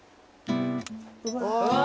うわ。